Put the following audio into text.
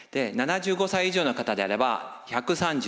７５歳以上の方であれば１３５まで。